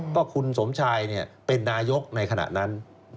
ก็คุณสมชายเป็นนายกในขณะนั้น